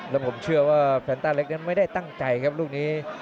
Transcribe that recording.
แล้วผมเชื่อว่าแฟนต้าเล็กนั้นไม่ได้ตั้งใจครับลูกนี้